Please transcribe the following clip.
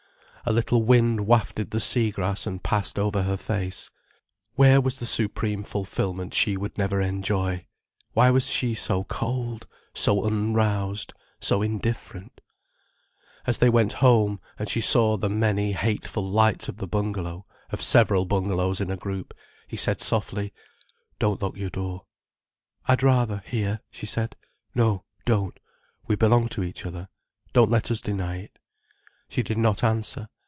A little wind wafted the sea grass and passed over her face. Where was the supreme fulfilment she would never enjoy? Why was she so cold, so unroused, so indifferent? As they went home, and she saw the many, hateful lights of the bungalow, of several bungalows in a group, he said softly: "Don't lock your door." "I'd rather, here," she said. "No, don't. We belong to each other. Don't let us deny it." She did not answer.